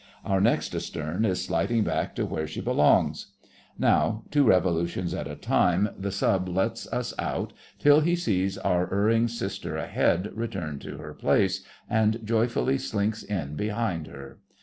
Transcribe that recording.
Our next astern is sliding back to where she belongs. Now, two revolutions at a time, the Sub lets us out till he sees our erring sister ahead return to her place, and joyfully slinks in behind her.